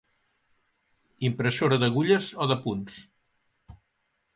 Impressora d'agulles o de punts.